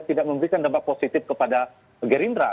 tidak memberikan dampak positif kepada gerindra